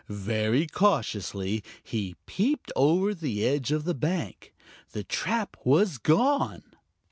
Very cautiously he peeped over the edge of the bank. The trap was gone!